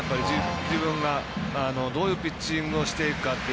自分がどういうピッチングをしていくかという。